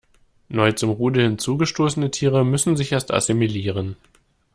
Neu zum Rudel hinzugestoßene Tiere müssen sich erst assimilieren.